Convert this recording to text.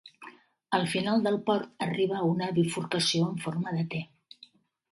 Al final del port arriba a una bifurcació en forma de T.